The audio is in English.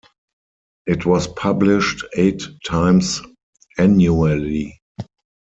It was published eight times annually.